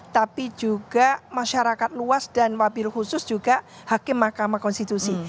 tapi juga masyarakat luas dan wabil khusus juga hakim mahkamah konstitusi